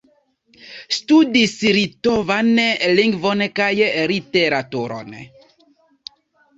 Studis litovan lingvon kaj literaturon.